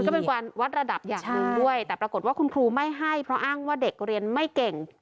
ก็เป็นการวัดระดับอย่างหนึ่งด้วยแต่ปรากฏว่าคุณครูไม่ให้เพราะอ้างว่าเด็กเรียนไม่เก่ง